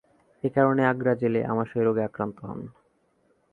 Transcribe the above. এই কারনে আগ্রা জেলে আমাশয় রোগে আক্রান্ত হন।